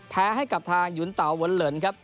แพ้ให้กับทางหยุนเตาวนเหลินครับ